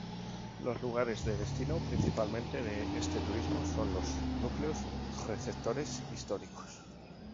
Los lugares de destino principalmente de este turismo son los núcleos receptores históricos.